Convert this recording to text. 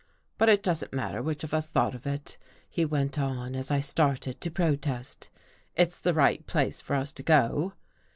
But it doesn't matter which of us thought of it," he went on as I started to protest " It's the right place for us to go."